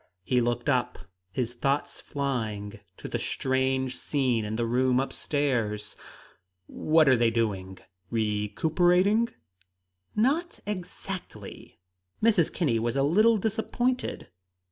He looked up, his thoughts flying to the strange scene in the room up stairs. "What are they doing recuperating?" "Not exactly." Mrs. Kinney was a little disappointed.